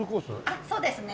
ああそうですね。